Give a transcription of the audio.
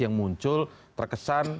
yang muncul terkesan